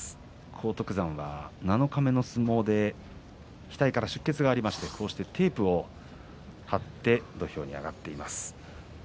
荒篤山は七日目の相撲で額から出血がありましてテープを貼って土俵に上がっています。